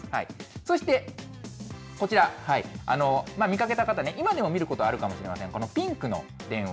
そしてこちら、見かけた方、今でも見ることがあるかもしれません、このピンクの電話。